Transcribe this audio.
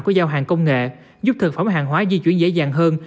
của giao hàng công nghệ giúp thực phẩm hàng hóa di chuyển dễ dàng hơn